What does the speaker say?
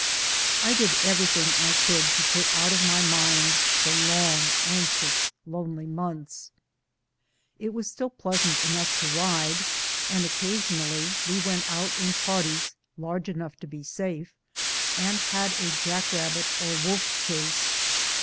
I did everything I could to put out of my mind the long, anxious, lonely months. It was still pleasant enough to ride, and occasionally we went out in parties large enough to be safe, and had a jack rabbit or wolf chase.